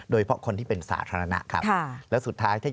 โดยเพราะคนที่เป็นสาธารณะครับ